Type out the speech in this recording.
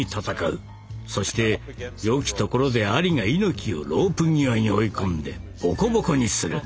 そしてよきところでアリが猪木をロープ際に追い込んでボコボコにする。